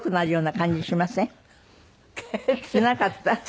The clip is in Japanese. しなかった？